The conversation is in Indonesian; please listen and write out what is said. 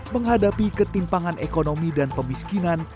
menghadapi ketimpangan ekonomi dan pemiskinan